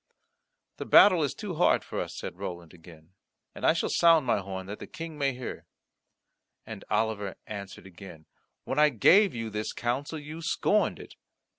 "The battle is too hard for us," said Roland again, "and I shall sound my horn, that the King may hear." And Oliver answered again, "When I gave you this counsel, you scorned it.